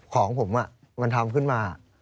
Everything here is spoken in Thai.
ของผมมันทำขึ้นมา